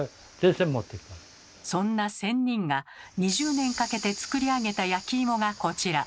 そんな仙人が２０年かけて作り上げた焼き芋がこちら。